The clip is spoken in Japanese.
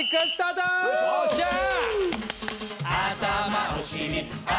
よっしゃー！